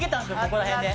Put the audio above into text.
ここら辺で。